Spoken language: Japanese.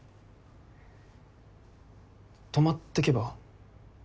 泊まってけば？